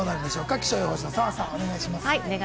気象予報士・澤さん、お願いします。